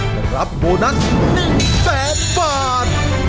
และรับโบนัส๑๐๐๐บาท